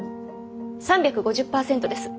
３５０％です。